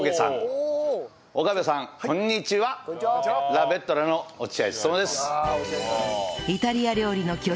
ラ・ベットラの落合務です。